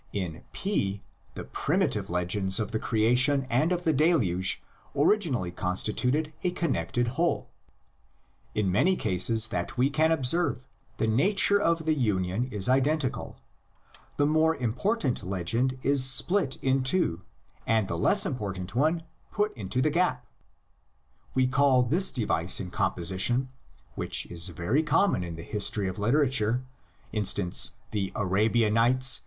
In P the primitive legends of the creation and of the deluge originally consti tuted a connected whole. In many cases that we can observe the nature of the union is identical: the more important legend is split in two and the less important one put into the gapk We call this device in composition, which is very common in the history of literature — instance The Arabian Nights.